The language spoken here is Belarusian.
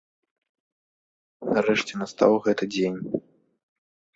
Нарэшце настаў гэты дзень.